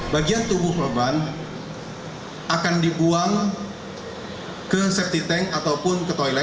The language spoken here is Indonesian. bagian tubuh korban akan dibuang ke safety tank ataupun ke toilet